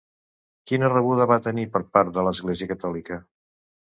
Quina rebuda va tenir per part de l'Església Catòlica?